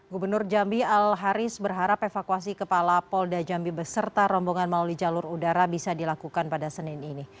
gubernur jambi al haris berharap evakuasi kepala polda jambi beserta rombongan melalui jalur udara bisa dilakukan pada senin ini